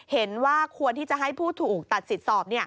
เห็นว่าควรที่จะให้ผู้ถูกตัดสิทธิ์สอบ